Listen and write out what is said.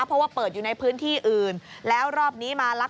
เพราะว่าเปิดอยู่ในพื้นที่อื่น